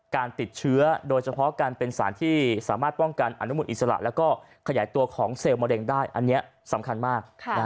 การติดเชื้อโดยเฉพาะการเป็นสารที่สามารถป้องกันอนุมูลอิสระแล้วก็ขยายตัวของเซลล์มะเร็งได้อันนี้สำคัญมาก